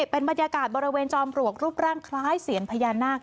เป็นบรรยากาศบริเวณจอมปลวกรูปร่างคล้ายเสียงพญานาค